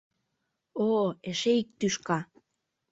О-о, эше ик тӱшка!